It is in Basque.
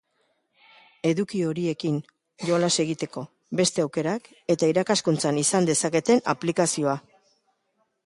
Eduki horiekin jolas egiteko beste aukerak eta irakaskuntzan izan dezaketen aplikazioa.